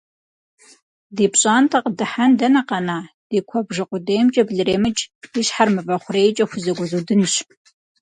Ди пщӏантӏэ къыдыхьэн дэнэ къэна, ди куэбжэ къудеймкӏэ блыремыкӏ, и щхьэр мывэ хъурейкӏэ хузэгуэзудынщ.